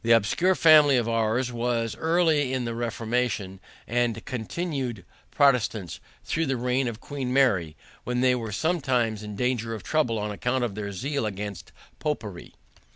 This obscure family of ours was early in the Reformation, and continued Protestants through the reign of Queen Mary, when they were sometimes in danger of trouble on account of their zeal against popery.